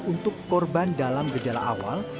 untuk korban dalam gejala awal